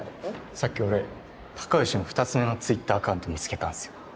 さっき俺隆良の２つ目のＴｗｉｔｔｅｒアカウント見つけたんすよ。